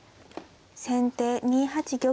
先手２八玉。